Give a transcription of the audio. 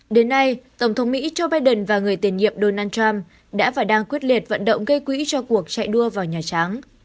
đến nay tổng thống mỹ joe biden và người tiền nhiệm donald trump đã và đang quyết liệt vận động gây quỹ cho cuộc chạy đua vào nhà trắng